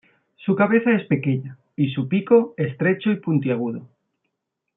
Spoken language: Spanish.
Su cabeza es pequeña y su pico es estrecho y puntiagudo.